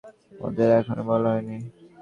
ওদের এখনও বলা হয়নি।